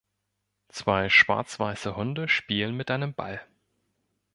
Zwei schwarz-weiße Hunde spielen mit einem Ball.